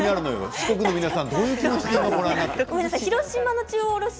四国の皆さんどういう気持ちでご覧になっているんだろう。